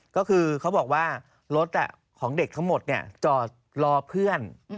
ก็คือเขาบอกว่ารถของเด็กทั้งหมดจอดรอเพื่อน